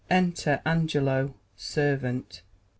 Enter Angelo, Servant.